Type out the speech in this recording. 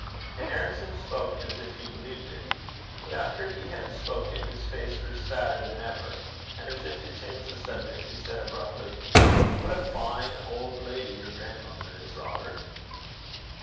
And Ericson spoke as if he believed it. But after he had spoken, his face grew sadder than ever; and, as if to change the subject, he said, abruptly, 'What a fine old lady your grandmother is, Robert!'